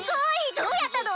どうやったの？